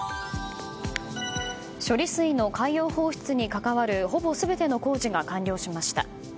処理水の海洋放出に関わるほぼ全ての工事が完了しました。